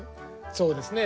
そうですね。